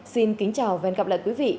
xin kính chào và hẹn gặp lại quý vị